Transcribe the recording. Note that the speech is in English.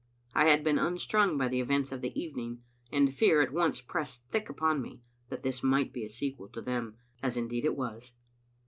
I had been un strung by the events of the evening, and fear at once pressed thick upon me that this might be a sequel to them, as indeed it was.